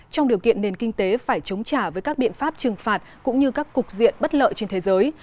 trong điều kiện nền kinh tế phải chống trả với các biện pháp trừng phạt cũng như các cục diện bất lợi trên thế giới